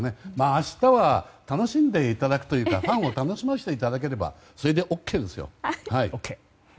明日は楽しんでいただくというかファンを楽しませていただければそれでＯＫですよ。